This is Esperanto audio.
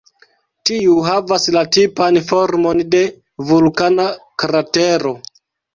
Tiu havas la tipan formon de vulkana kratero.